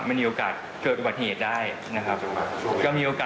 มันมีโอกาสเกิดอุบัติเหตุได้นะครับ